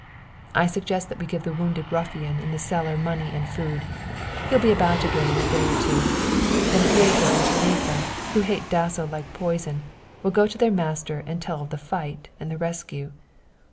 "I suggest that we give the wounded ruffian in the cellar money and food. He'll be about again in a day or two. Then Pieto and Teresa, who hate Dasso like poison, will go to their master and tell of the fight and the rescue.